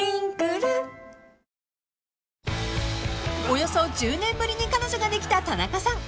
［およそ１０年ぶりに彼女ができた田中さん］